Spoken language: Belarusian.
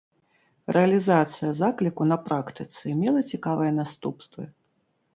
Рэалізацыя закліку на практыцы мела цікавыя наступствы.